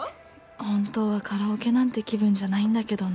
本当はカラオケなんて気分じゃないんだけどな